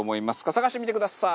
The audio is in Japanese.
探してみてください！